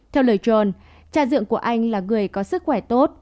theo lời john cha dưỡng của anh là người có sức khỏe tốt